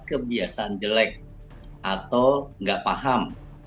kebiasaan jelek atau nggak paham